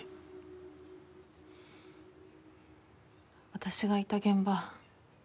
私がいた現場